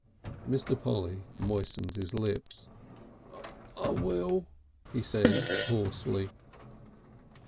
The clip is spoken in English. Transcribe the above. '" Mr. Polly moistened his lips. "I will," he said hoarsely.